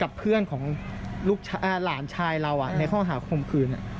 กับเพื่อนของหลานชายเราในข้อหาคมคืน